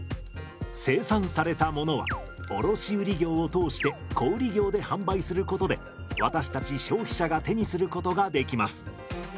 生産されたものは卸売業を通して小売業で販売することで私たち消費者が手にすることができます。